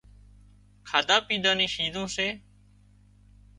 کاڌا پيڌا نِي شيزون سي